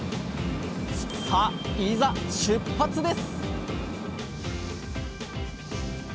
さあいざ出発です！